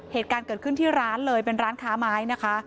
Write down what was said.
เหตุการณ์เกิดขึ้นที่ร้านเลยเป็นร้านค้าไม้นะคะ